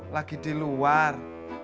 lagi di luar